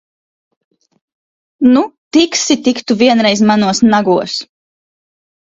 Nu, tiksi tik tu vienreiz manos nagos!